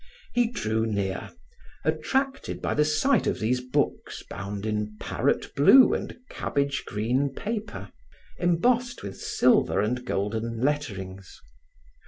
He drew near, attracted by the sight of these books bound in parrot blue and cabbage green paper, embossed with silver and golden letterings.